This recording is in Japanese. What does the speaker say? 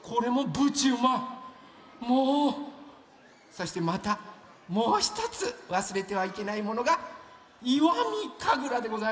そしてまたもうひとつわすれてはいけないものが石見神楽でございます。